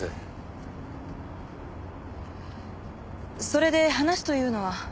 それで話というのは？